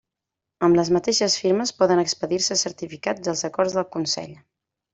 Amb les mateixes firmes poden expedir-se certificats dels acords del Consell.